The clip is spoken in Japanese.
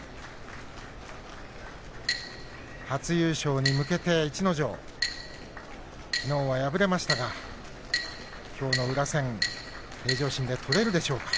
初優勝に向けて逸ノ城きのうは敗れましたがきょうの宇良戦平常心で取れるでしょうか。